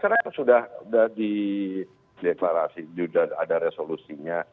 iya kan sekarang sudah di deklarasi sudah ada resolusinya